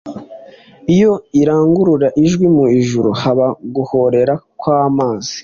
Iyo iranguruye ijwi mu ijuru haba guhōrera kwamazi